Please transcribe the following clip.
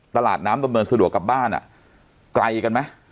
ตลาดน้ำตบเมินสะโดดกลับบ้านไกลกันมั้ย